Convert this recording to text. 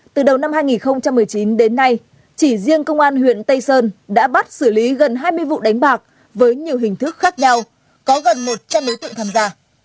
từ đầu năm hai nghìn một mươi chín đến nay chỉ riêng công an huyện tây sơn đã bắt xử lý gần hai mươi vụ đánh bạc với nhiều hình thức khác nhau có gần một trăm linh đối tượng tham gia